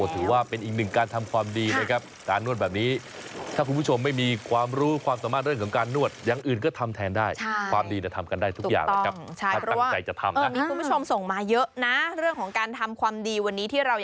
ถือว่าเป็นอีกหนึ่งการทำความดี